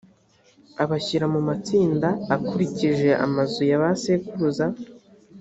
abashyira mu matsinda akurikije amazu ya ba sekuruza